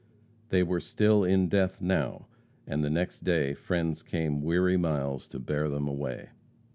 They were still in death now. And the next day friends came weary miles to bear them away.